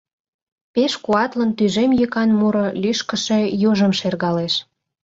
Пеш куатлын тӱжем йӱкан муро лӱшкышӧ южым шергалеш: